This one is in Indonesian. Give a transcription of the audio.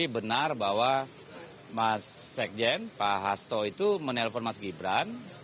benar bahwa mas sekjen pak hasto itu menelpon mas gibran